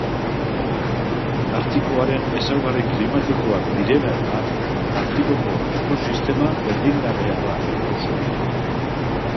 Artikoaren ezaugarri klimatikoak direla eta, Artikoko ekosistema berdingabea da Lur osoan.